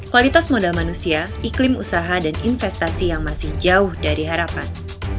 kualitas modal manusia iklim usaha dan investasi yang masih jauh dari harapan